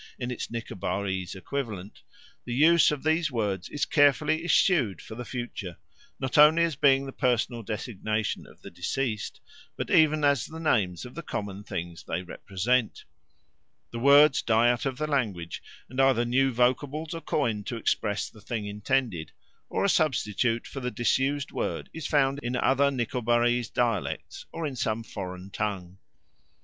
in its Nicobarese equivalent, the use of these words is carefully eschewed for the future, not only as being the personal designation of the deceased, but even as the names of the common things they represent; the words die out of the language, and either new vocables are coined to express the thing intended, or a substitute for the disused word is found in other Nicobarese dialects or in some foreign tongue.